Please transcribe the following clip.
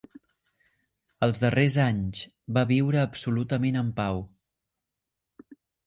Els darrers anys va viure absolutament en pau.